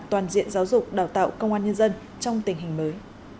toàn diện giáo dục đào tạo công an nhân dân trong tình hình mới